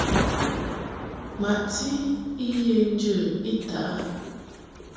Maʼti I ye njə I taʼ a.